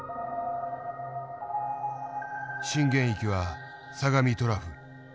震源域は相模トラフ。